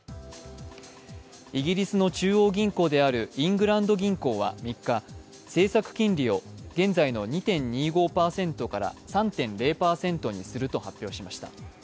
イギリスの中央銀行であるイングランド銀行は３日、政策金利を現在の２．２５％から３．０％にすると発表しました。